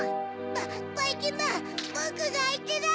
ばいきんまんボクがあいてだ！